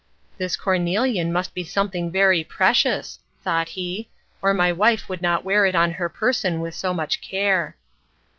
"This cornelian must be something very precious," thought he, "or my wife would not wear it on her person with so much care."